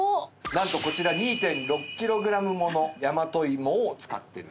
なんとこちら２．６キログラムもの大和芋を使ってる。